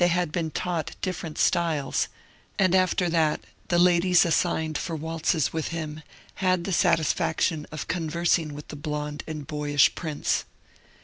THE PRINCE OF WALES 267 been taught different styles ; and after that the ladies assigned for waltzes with him had the satisfaction of conversing with the blond and boyish prince.